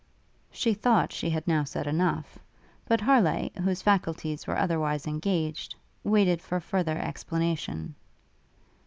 She thought she had now said enough; but Harleigh, whose faculties were otherwise engaged, waited for further explanation.